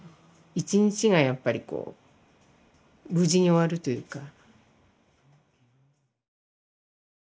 一日がやっぱりこう無事に終わるというか。